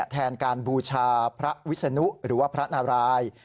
แทนการบูชาพระวิศนุหรือว่าพระนาราย